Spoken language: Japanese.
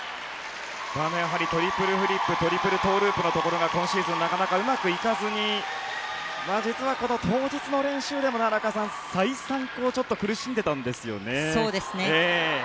トリプルフリップトリプルトウループのところが今シーズンなかなかうまくいかず実は当日の練習でも再三、苦しんでいたんですよね。